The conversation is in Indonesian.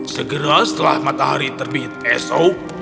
segera setelah matahari terbit esok